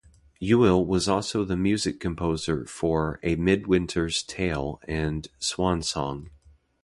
Yuill was also the music composer for "A Midwinter's Tale" and "Swan Song".